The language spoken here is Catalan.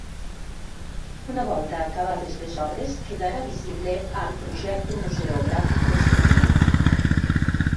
Una volta acabades les obres quedarà visible al projecte museogràfic definitiu.